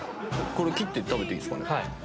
切って食べていいですかね。